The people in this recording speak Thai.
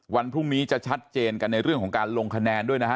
วันพรุ่งนี้จะชัดเจนกันในเรื่องของการลงคะแนนด้วยนะฮะ